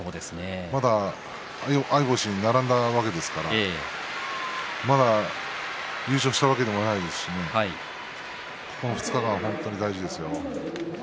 まだ相星に並んだわけですからまだ優勝したわけでもないですしここからの２日間は本当に大事ですよ。